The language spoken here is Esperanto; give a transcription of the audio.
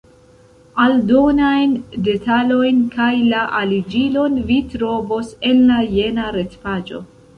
Aldonajn detalojn kaj la aliĝilon vi trovos en la jena retpaĝo.